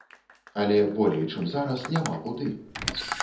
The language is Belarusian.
Але болей, чым зараз, няма куды.